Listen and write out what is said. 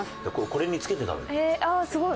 これにつけて食べるの。